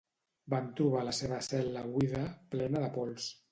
Van trobar la seva cel·la buida plena de pols.